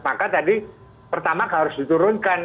maka tadi pertama harus diturunkan